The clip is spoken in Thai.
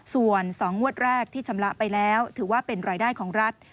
ส่วน๒งวดแรกที่ชำระไปแล้วถือว่าเป็นรายได้ของรัฐ